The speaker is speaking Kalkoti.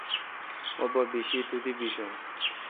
مہ پہ بشی تو دی بیشم۔